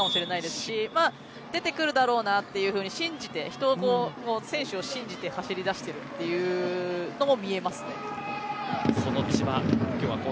出てくるだろうなというふうに信じて選手を信じて走り出しているというのも見えますね。